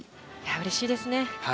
うれしいですね。